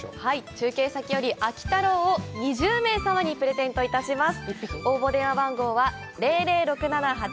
中継先より、秋太郎を２０名様にプレゼントいたします。